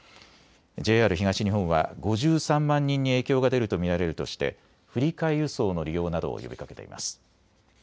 ＪＲ東日本は５３万人に影響が出ると見られるとして振り替え輸送の利用などを呼びかけています。